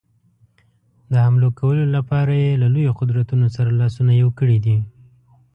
د حملو کولو لپاره یې له لویو قدرتونو سره لاسونه یو کړي دي.